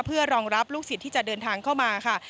เพื่อรองรับลูกศิษย์ที่จะเดินทางเข้ามาค่ะ